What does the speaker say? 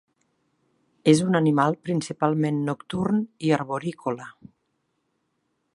És un animal principalment nocturn i arborícola.